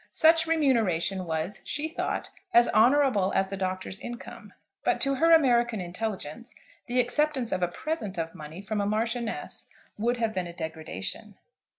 Such remuneration was, she thought, as honourable as the Doctor's income; but to her American intelligence, the acceptance of a present of money from a Marchioness would have been a degradation.